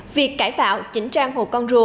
việc cải tạo chỉnh trang hồ con rùa